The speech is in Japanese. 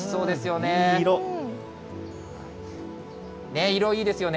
ねぇ、色、いいですよね。